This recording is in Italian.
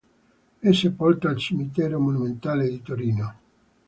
È sepolta al Cimitero monumentale di Torino